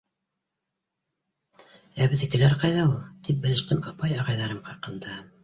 — Ә беҙҙекеләр ҡайҙа ул? — тип белештем апай-ағайҙарым хаҡында.